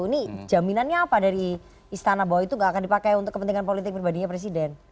ini jaminannya apa dari istana bahwa itu nggak akan dipakai untuk kepentingan politik pribadinya presiden